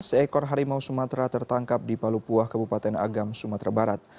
seekor harimau sumatera tertangkap di palupuah kabupaten agam sumatera barat